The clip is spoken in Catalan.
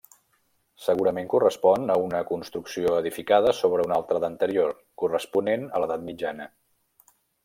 Segurament correspon a una construcció edificada sobre una altra d'anterior, corresponent a l'Edat Mitjana.